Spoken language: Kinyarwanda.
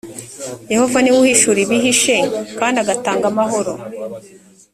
yehova ni we uhishura ibihishe kandi agatanga amahoro